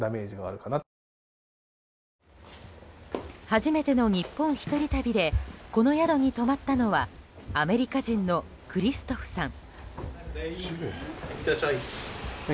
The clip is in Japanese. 初めての日本１人旅でこの宿に泊まったのはアメリカ人のクリストフさん。